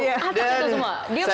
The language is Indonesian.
atas itu semua